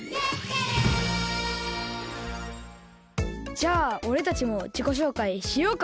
じゃあおれたちもじこしょうかいしようか。